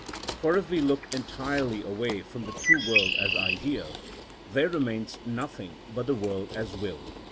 For if we look entirely away from the true world as idea, there remains nothing but the world as will.